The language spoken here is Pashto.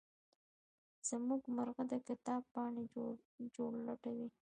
زمونږ مرغه د کتاب پاڼې چورلټوي.